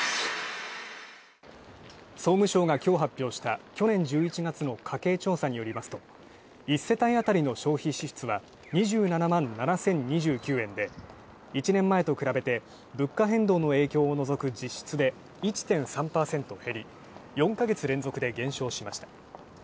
総務省がきょう発表した去年１１月の家計調査によりますと、１世帯当たりの消費支出は２７万７０２９円で１年前と比べて物価変動の影響を除く実質で１．３％減り、４か月連続で減少しました。